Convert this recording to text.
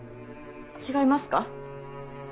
違いますか。